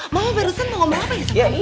mama barusan mau ngomong apa ya sama kamu